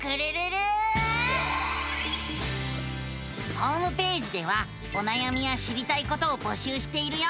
ホームページではおなやみや知りたいことを募集しているよ。